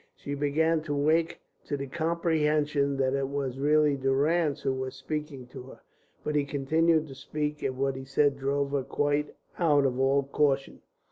She began to wake to the comprehension that it was really Durrance who was speaking to her, but he continued to speak, and what he said drove her quite out of all caution.